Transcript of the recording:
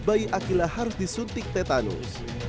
bayi akilah harus disuntik tetanus